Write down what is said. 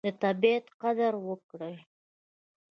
د طبیعت قدر وکړئ.